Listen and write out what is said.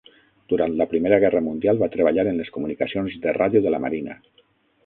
Durant la Primera Guerra Mundial va treballar en les comunicacions de ràdio de la marina.